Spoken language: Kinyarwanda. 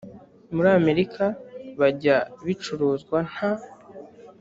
muri amerika byajya bicuruzwa nta